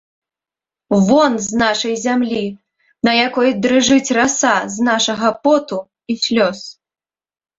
Вон з нашай зямлі, на якой дрыжыць раса з нашага поту і слёз!